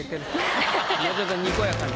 もうちょっとにこやかに。